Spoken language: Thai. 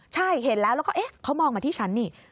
ใช่เห็นแล้วแล้วก็เอ๊ะเขามองมาที่ฉันนี่